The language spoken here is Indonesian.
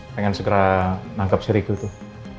pengen segera nangkep si riki tuh